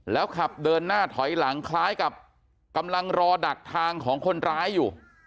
แล้วขับเดินหน้าถอยหลังคล้ายกับกำลังรอดักทางของคนร้ายอยู่